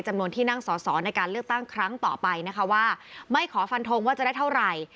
จำนวนที่นั่งสอสอในการเลือกตั้งครั้งต่อไปนะคะว่าไม่ขอฟันทงว่าจะได้เท่าไหร่